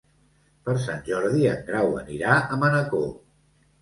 Per Sant Jordi en Grau anirà a Manacor.